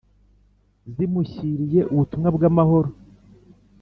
zimushyiriye ubutumwa bw’amahoro+